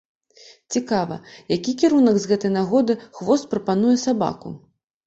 Цікава, які кірунак з гэтай нагоды хвост прапануе сабаку?